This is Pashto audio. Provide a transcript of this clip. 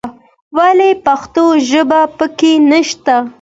ولې پښتو ژبه په کې نه شته.